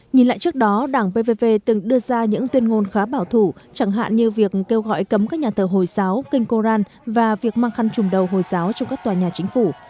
nhìn lại trước đó đảng pv từng đưa ra những tuyên ngôn khá bảo thủ chẳng hạn như việc kêu gọi cấm các nhà thờ hồi giáo kinh koran và việc mang khăn trùm đầu hồi giáo trong các tòa nhà chính phủ